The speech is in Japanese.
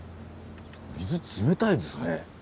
水冷たいですね。